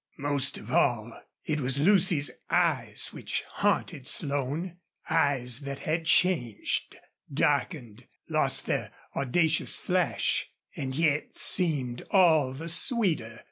Most of all, it was Lucy's eyes which haunted Slone eyes that had changed, darkened, lost their audacious flash, and yet seemed all the sweeter.